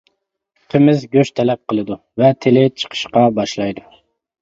قىمىز، گۆش تەلەپ قىلىدۇ ۋە تىلى چىقىشقا باشلايدۇ.